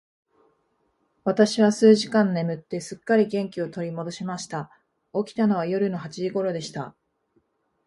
私は数時間眠って、すっかり元気を取り戻しました。起きたのは夜の八時頃でした。